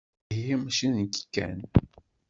Ihi mačči nekk kan.